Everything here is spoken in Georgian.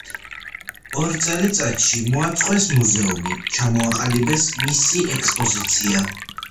ორ წელიწადში მოაწყვეს მუზეუმი, ჩამოაყალიბეს მისი ექსპოზიცია.